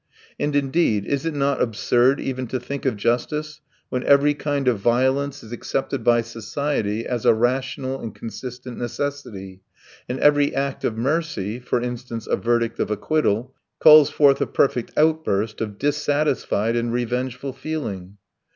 And, indeed, is it not absurd even to think of justice when every kind of violence is accepted by society as a rational and consistent necessity, and every act of mercy for instance, a verdict of acquittal calls forth a perfect outburst of dissatisfied and revengeful feeling?